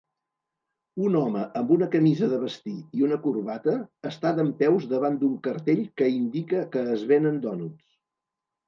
Un home amb una camisa de vestir i una corbata està dempeus davant d'un cartell que indica que es venen dònuts.